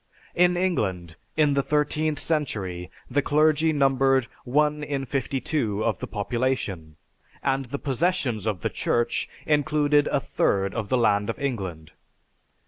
In England, in the thirteenth century, the clergy numbered one in fifty two of the population, and the possessions of the Church included a third of the land of England.